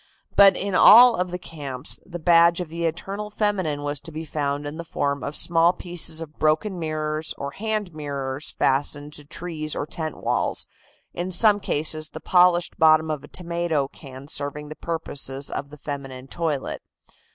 But in all of the camps the badge of the eternal feminine was to be found in the form of small pieces of broken mirrors, or hand mirrors fastened to trees or tent walls, in some cases the polished bottom of a tomato can serving the purposes of the feminine toilet.